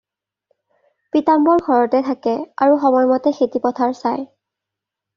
পীতাম্বৰ ঘৰতে থাকে আৰু সময়মতে খেতি-পথাৰ চায়।